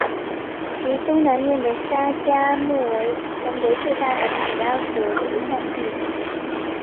其东南面的沙加穆为全国最大的可拉果集散地。